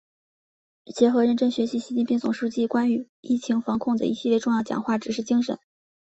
结合认真学习习近平总书记关于疫情防控的一系列重要讲话、指示精神